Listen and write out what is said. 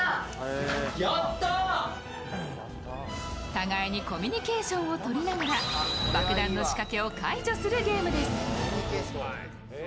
互いにコミュニケーションをとりながら爆弾の仕掛けを解除するゲームです。